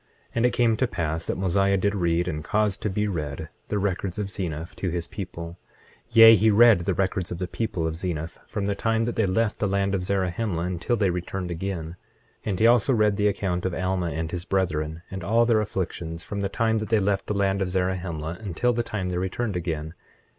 25:5 And it came to pass that Mosiah did read, and caused to be read, the records of Zeniff to his people; yea, he read the records of the people of Zeniff, from the time they left the land of Zarahemla until they returned again. 25:6 And he also read the account of Alma and his brethren, and all their afflictions, from the time they left the land of Zarahemla until the time they returned again.